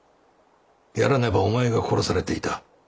やらねばお前が殺されていた。